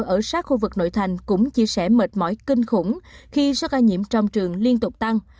ở sát khu vực nội thành cũng chia sẻ mệt mỏi kinh khủng khi số ca nhiễm trong trường liên tục tăng